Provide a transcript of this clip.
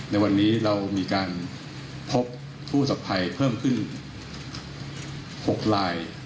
ในวันนี้เรามีการพบผู้สับภัยเพิ่มขึ้น๖ลาย